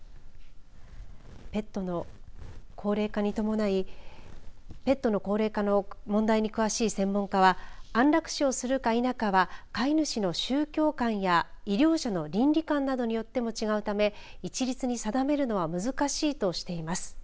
ペットの高齢化に伴いペットの高齢化の問題に詳しい専門家は安楽死をするか否かは飼い主の宗教観や医療者の倫理観などによっても違うため、一律に定めるのは難しいとしています。